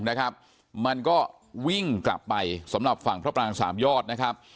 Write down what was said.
นะครับมันก็วิ่งกลับไปสำหรับฝั่งพระปรางสามยอดนะครับ